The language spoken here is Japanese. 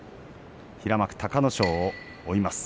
平幕隆の勝を追います。